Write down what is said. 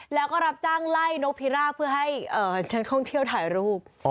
แล้วก็รับจ้างไล่นกพิราเพื่อให้นักท่องเที่ยวถ่ายรูป